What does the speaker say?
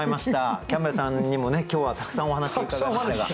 キャンベルさんにも今日はたくさんお話伺いましたが。